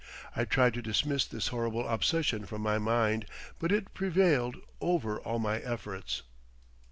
I tried to dismiss this horrible obsession from my mind, but it prevailed over all my efforts.